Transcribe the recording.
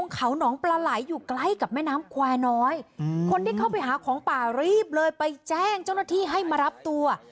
คนที่เข้าไปหาของป่ารีบเลยไปแจ้งเจ้าหน้าที่ให้มารับตัว